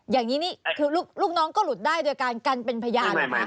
อย่างนี้นี่คือลูกน้องก็หลุดได้โดยการกันเป็นพยานเหรอคะ